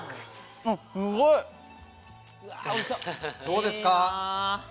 どうですか？